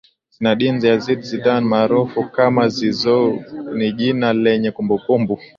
Zinedine Yazid Zidane maarufu kama Zizou ni jina lenye kumbukumbu